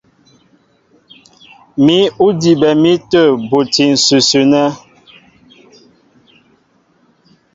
Mǐ' ó dibɛ mi tə̂ buti ǹsʉsʉ nɛ́.